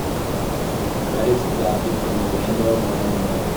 Credits adapted from the "Rainbow" liner notes.